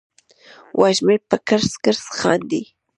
وږمې په کړس، کړس خاندي